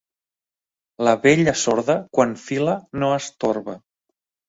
La vella sorda, quan fila, no es torba.